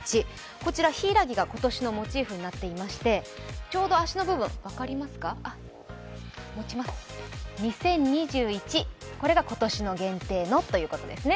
こちら、ひいらぎが今年のモチーフになっていましてちょうど足の部分、２０２１、これが今年の限定のということですね。